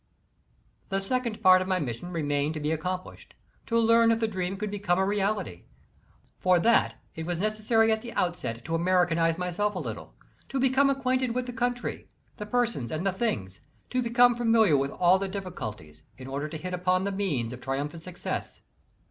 The second part of my mission remained to be accom plished; to learn if the dream could become a reality. For that it was necessary at the outset to Americanize myself a little, to become acquainted with the country, the persons and the things, to become familiar with all the difficulties in order to hit upon the means of triumphant success.